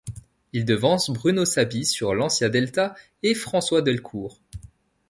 Il devance Bruno Saby sur Lancia Delta et François Delecour.